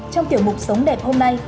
trong tiểu mục sống đẹp hôm nay